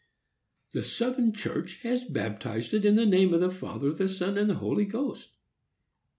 The Southern church has baptized it in the name of the Father, the Son, and the Holy Ghost.